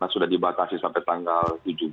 sudah dibatasi sampai tanggal tujuh belas